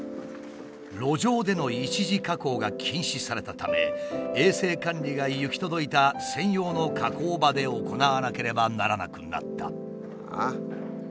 路上での一次加工が禁止されたため衛生管理が行き届いた専用の加工場で行わなければならなくなった。